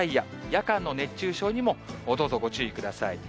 夜間の熱中症にもどうぞ、ご注意ください。